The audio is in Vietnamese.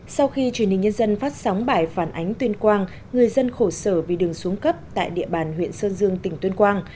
sau khi truyền hình nhân dân phát sóng bài phản ánh tuyên quang người dân khổ sở vì đường xuống cấp tại địa bàn huyện sơn dương tỉnh tuyên quang